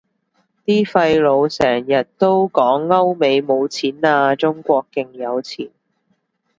啲廢老成日都講歐美冇錢喇，中國勁有錢